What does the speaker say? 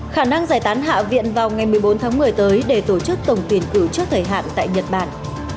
khả năng giải tán hạ viện vào ngày một mươi bốn tháng một mươi tới để tổ chức tổng tuyển cử trước thời hạn tại nhật bản